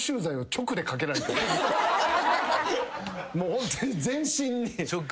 ホントに全身に。